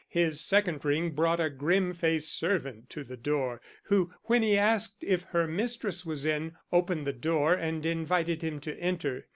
His second ring brought a grim faced servant to the door, who, when he asked if her mistress was in, opened the door and invited him to enter.